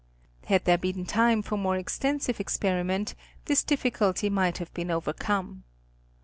Had there been time for more extensive experiment this difficulty might have been overcome.